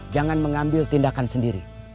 jangan mengambil tindakan sendiri